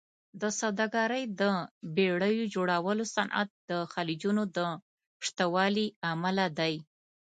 د سوداګرۍ او بېړیو جوړولو صنعت د خلیجونو د شتوالي امله دی.